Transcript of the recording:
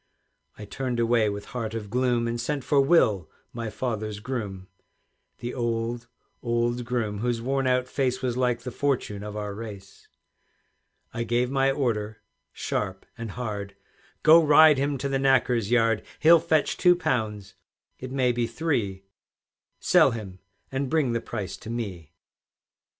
I turned away with heart of gloom, And sent for Will, my father's groom, The old, old groom, whose worn out face Was like the fortune of our race. I gave my order sharp and hard, "Go, ride him to the knacker's yard; He'll fetch two pounds, it may be three; Sell him, and bring the price to me."